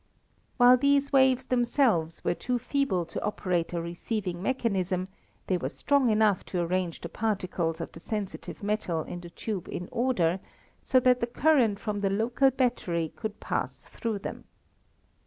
While these waves themselves were too feeble to operate a receiving mechanism, they were strong enough to arrange the particles of the sensitive metal in the tube in order, so that the current from the local battery could pass through them.